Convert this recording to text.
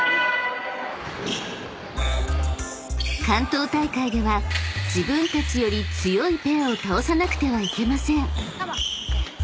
［関東大会では自分たちより強いペアを倒さなくてはいけません］